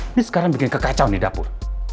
ini sekarang bikin kekacauan di dapur